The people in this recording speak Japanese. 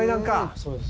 そうです。